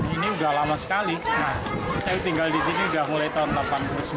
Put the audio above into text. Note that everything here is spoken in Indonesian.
ini udah lama sekali saya tinggal di sini udah mulai tahun seribu sembilan ratus delapan puluh sembilan